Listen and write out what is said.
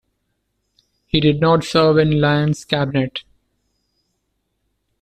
He did not serve in Lyon's cabinet.